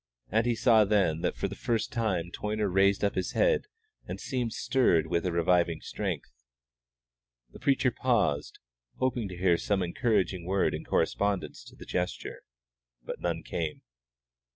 And he saw then that for the first time Toyner raised up his head and seemed stirred with a reviving strength. The preacher paused, hoping to hear some encouraging word in correspondence to the gesture, but none came.